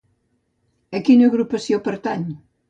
A quina agrupació pertany?